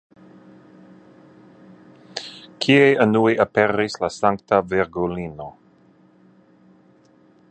Kie unue aperis la Sankta Virgulino?